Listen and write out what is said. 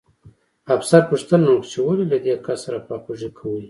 افسر پوښتنه وکړه چې ولې له دې کس سره خواخوږي کوئ